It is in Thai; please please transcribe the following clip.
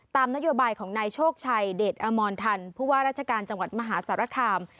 นโยบายของนายโชคชัยเดชอมรทันผู้ว่าราชการจังหวัดมหาสารคาม